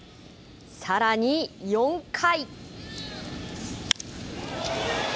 さらに４回。